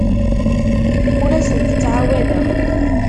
Ur asent-ttɛawadeɣ.